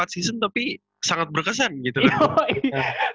empat season tapi sangat berkesan gitu kan